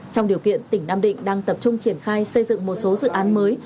trong điều kiện tỉnh nam định đang tập trung triển khai xây dựng một số dự án mới